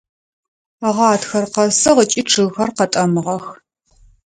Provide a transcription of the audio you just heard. Гъатхэр къэсыгъ, ыкӏи чъыгхэр къэтӏэмыгъэх.